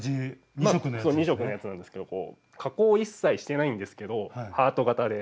２色のやつなんですけど加工を一切してないんですけどハート形でかわいくないですか？